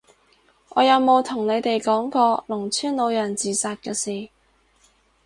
我有冇同你哋講過農村老人自殺嘅事？